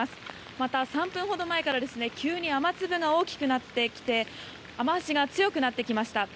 また、３分ほど前から急に雨粒が大きくなってきて雨脚が強くなってきました。